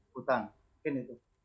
hutan mungkin itu